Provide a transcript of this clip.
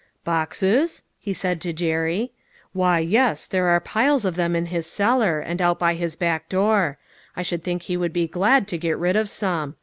"Boxes?" he said to Jerry. "Why, yes, there are piles of them in his cellar, and out by his back door. I should think he would be glad to get rid of some.